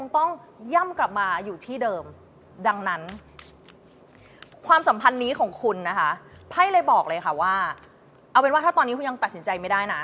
พ่ายเลยบอกเลยค่ะว่าเอาเป็นว่าถ้าตอนนี้คุณยังตัดสินใจไม่ได้นะ